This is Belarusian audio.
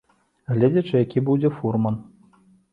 Гледзячы які будзе фурман.